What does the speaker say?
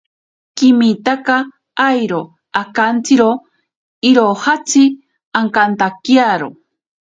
Kimitaka airo akantsiro irojatsi antantakiaro.